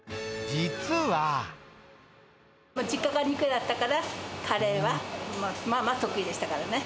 実家が肉屋だったから、カレーはまあまあ得意でしたからね。